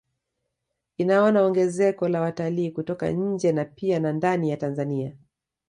Inaona ongezeko la watalii kutoka nje na pia na ndani ya Tanzania